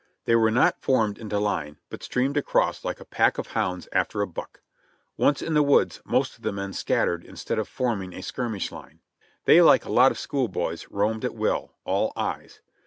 They were not formed into line, but streamed across like a pack of hounds after a buck. Once in the woods most of the men scat tered instead of forming in a skirmish line. They, like a lot of school boys, roamed at will, all eyes.